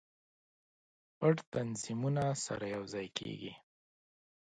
پټ تنظیمونه سره یو ځای کیږي.